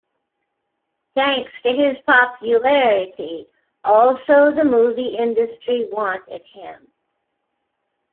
Thanks to his popularity, also the movie industry wanted him.